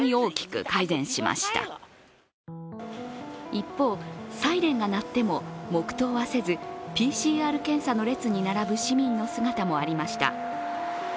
一方、サイレンが鳴っても黙とうはせずＰＣＲ検査の列に並ぶ市民の姿もありました。